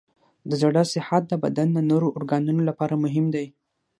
د زړه صحت د بدن د نورو ارګانونو لپاره مهم دی.